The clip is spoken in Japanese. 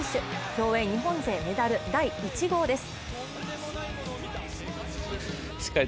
競泳日本勢メダル第１号です。